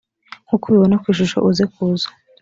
nk uko ubibona ku ishusho uze kuza